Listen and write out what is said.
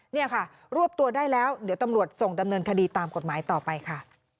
เนี่ยค่ะรวบตัวได้แล้วเดี๋ยวตำรวจส่งดำเนินคดีตามกฎหมายต่อไปค่ะ